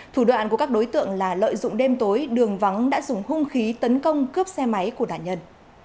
thủ đoạn của các đối tượng là lợi dụng đêm tối đường vắng đã dùng hung khí tấn công cướp xe máy của nạn nhân